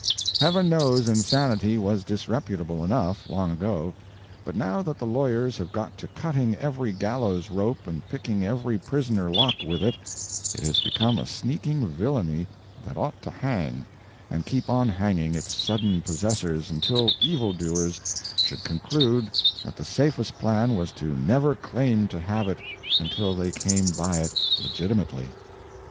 Heaven knows insanity was disreputable enough, long ago; but now that the lawyers have got to cutting every gallows rope and picking every prison lock with it, it is become a sneaking villainy that ought to hang and keep on hanging its sudden possessors until evil doers should conclude that the safest plan was to never claim to have it until they came by it legitimately.